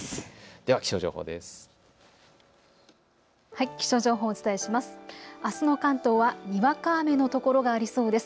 では気象情報です。